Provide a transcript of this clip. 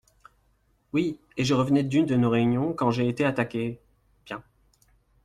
Oui, et je revenais d'une de nos réunions, quand j'ai été attaqué … Bien.